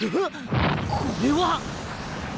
これは！